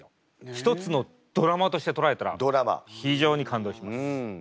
一つのドラマとして捉えたら非常に感動します。